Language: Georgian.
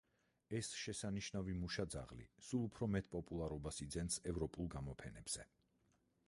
ეს შესანიშნავი მუშა ძაღლი სულ უფრო მეტ პოპულარობას იძენს ევროპულ გამოფენებზე.